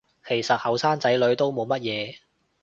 其實後生仔女都冇乜嘢